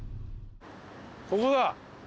ここだ。